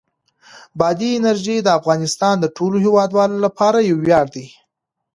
بادي انرژي د افغانستان د ټولو هیوادوالو لپاره یو ویاړ دی.